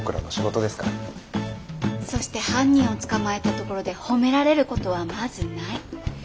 そして犯人を捕まえたところで褒められることはまずない。